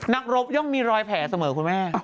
รบย่อมมีรอยแผลเสมอคุณแม่